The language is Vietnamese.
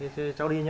ừ thế cháu đi nhá